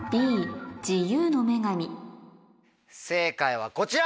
正解はこちら。